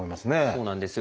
そうなんですよね。